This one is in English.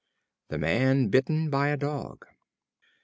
The Man Bitten by a Dog.